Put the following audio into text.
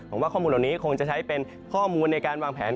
ผมว่าข้อมูลเหล่านี้คงจะใช้เป็นข้อมูลในการวางแผน